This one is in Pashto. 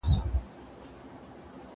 که څوک بې عزتي وکړي، ټولنه زيان ويني.